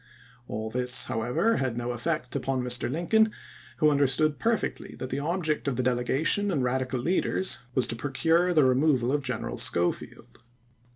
All this, however, had no effect upon ^Ir. Lincoln, who understood perfectly that the object of the delegation and Radical leaders was to procure the removal of General Schofield.